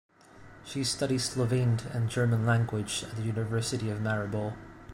She studied Slovene and German language at the University of Maribor.